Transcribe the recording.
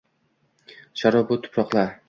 sharobu tuproq-la